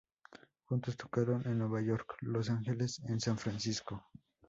Juntos tocaron en Nueva York, Los Ángeles en San Francisco.